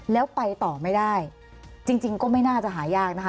แล้วไปต่อไม่ได้จริงก็ไม่น่าจะหายากนะคะ